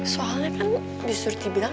soalnya kan bisurti bilang